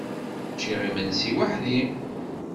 Ččiɣ imensi weḥd-i.